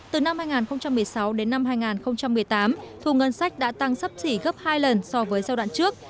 từ năm hai nghìn một mươi sáu đến năm hai nghìn một mươi tám thu ngân sách đã tăng sấp xỉ gấp hai lần so với giai đoạn trước